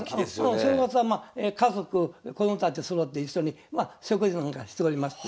正月は家族子供たちそろって一緒に食事なんかしておりまして。